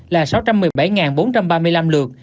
là sáu trăm một mươi bảy bốn trăm ba mươi năm lượt